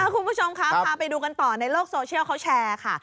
คุณผู้ชมครับพาไปดูกันต่อในโลกโซเชียลเขาแชร์ค่ะ